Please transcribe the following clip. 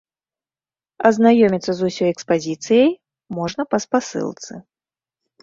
Азнаёміцца з усёй экспазіцыяй можна па спасылцы.